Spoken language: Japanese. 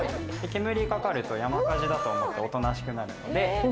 煙掛かると山火事だと思っておとなしくなるので。